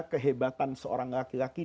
kehebatan seorang laki laki